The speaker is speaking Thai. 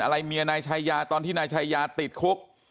อะไรเมียนายชายาตอนที่นายชายาติดคุก